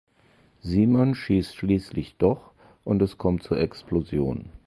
Simon schießt schließlich doch und es kommt zur Explosion.